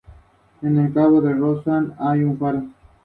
Ha sido candidata al premio Emmy en varias ocasiones, y ha ganado dos.